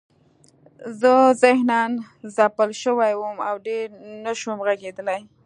زه ذهناً ځپل شوی وم او ډېر نشوم غږېدلی